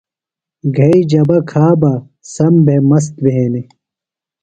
گھئی جبہ کھا بہ سم بھےۡ مست بھینیۡ۔